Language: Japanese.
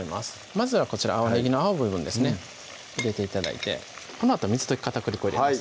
まずはこちら青ねぎの青い部分ですね入れて頂いてこのあと水溶き片栗粉入れます